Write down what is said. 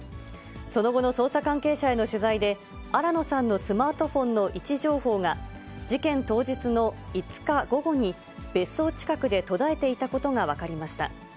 その後の捜査関係者への取材で、新野さんのスマートフォンの位置情報が、事件当日の５日午後に、別荘近くで途絶えていたことが分かりました。